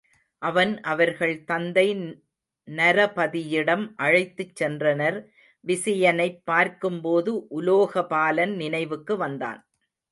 அவன் அவர்கள் தந்தை நரபதியிடம் அழைத்துச் சென்றனர் விசயனைப் பார்க்கும்போது உலோகபாலன் நினைவுக்கு வந்தான்.